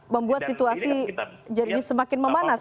membuat situasi jadi semakin memanas